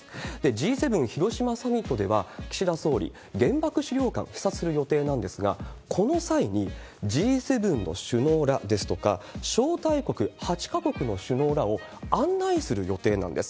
Ｇ７広島サミットでは、岸田総理、原爆資料館、視察する予定なんですが、この際にＧ７の首脳らですとか、招待国８か国の首脳らを案内する予定なんです。